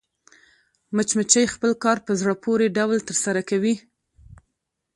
مچمچۍ خپل کار په زړه پورې ډول ترسره کوي